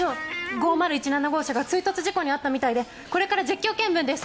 ５０１７号車が追突事故に遭ったみたいでこれから実況見分です。